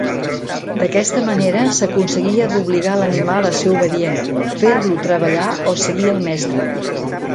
D'aquesta manera, s'aconseguia d'obligar l'animal a ser obedient, fer-lo treballar o seguir el mestre.